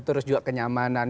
terus juga kenyamanan